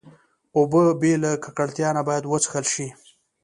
اوبه بې له ککړتیا نه باید وڅښل شي.